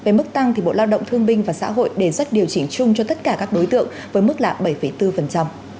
xã hội đề xuất điều chỉnh chung cho tất cả các đối tượng với mức lạng bảy bốn